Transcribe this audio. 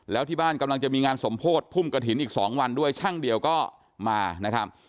แล้วที่บ้านกำลังจะมีงานสมโพธิพุ่มกระถิ่นอีก๒วันด้วยช่างเดียวก็มานะครับ